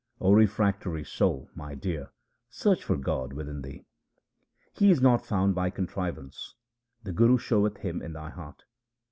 O refractory soul, my dear, search for God within thee. He is not found by contrivance ; the Guru showeth Him in thy heart.